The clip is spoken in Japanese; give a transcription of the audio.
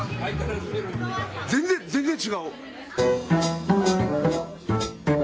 全然全然違う！